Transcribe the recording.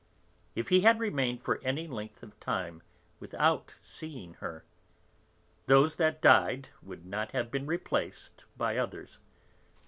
If he had remained for any length of time without seeing her, those that died would not have been replaced by others.